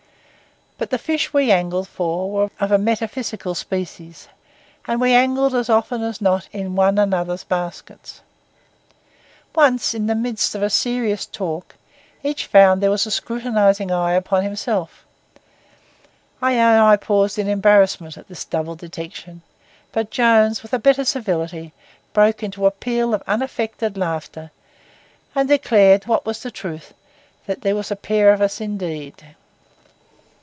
But the fish we angled for were of a metaphysical species, and we angled as often as not in one another's baskets. Once, in the midst of a serious talk, each found there was a scrutinising eye upon himself; I own I paused in embarrassment at this double detection; but Jones, with a better civility, broke into a peal of unaffected laughter, and declared, what was the truth, that there was a pair of us indeed.